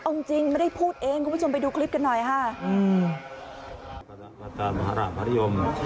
เอาจริงจริงไม่ได้พูดเองคุณผู้ชมไปดูคลิปกันหน่อยค่ะอืม